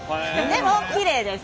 でもきれいです。